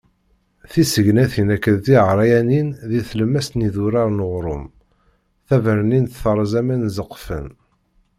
Tisegnatin akken d tiɛeryanin di tlemmast n idurar n uɣrum. Tabernint terreẓ aman ẓeqfen.